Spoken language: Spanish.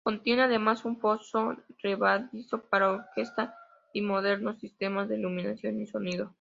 Contiene además un foso levadizo para orquesta y modernos sistemas de iluminación y sonido.